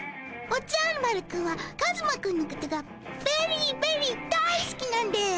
おじゃる丸くんはカズマくんのことがベリーベリー大好きなんです！